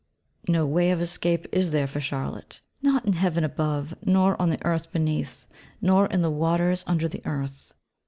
No way of escape is there for Charlotte: not in heaven above, nor on the earth beneath, nor in the waters under the earth.